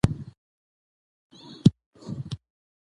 احمد شاه بابا د علم او ادب پلوی و.